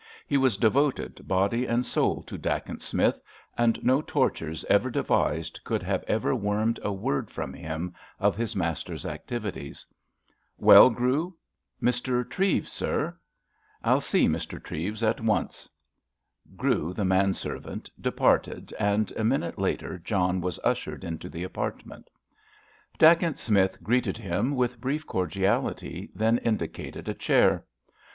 He was devoted body and soul to Dacent Smith, and no tortures ever devised could have ever wormed a word from him of his master's activities. "Well, Grew?" "Mr. Treves, sir." "I'll see Mr. Treves at once." Grew, the man servant, departed, and a minute later John was ushered into the apartment. Dacent Smith greeted him with brief cordiality, then indicated a chair.